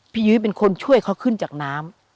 ยุ้ยเป็นคนช่วยเขาขึ้นจากน้ำ